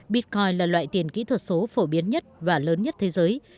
bitcoin là loại tiền kỹ thuật số phổ biến nhất và lớn nhất thế giới